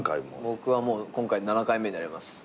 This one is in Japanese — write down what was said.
僕はもう今回７回目になります。